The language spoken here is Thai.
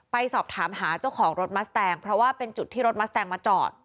ไปสอบถามหาเจ้าของรถมัสแตงเพราะว่าเป็นจุดที่รถมัสแตงมาจอด